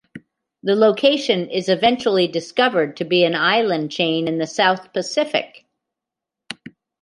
The location is eventually discovered to be an island chain in the South Pacific.